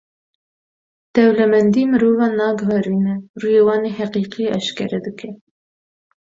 Dewlemendî mirovan naguherîne, rûyê wan ê heqîqî eşkere dike.